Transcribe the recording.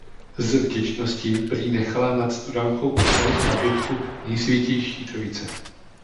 Z vděčnosti prý nechala nad studánkou postavit kapličku Nejsvětější Trojice.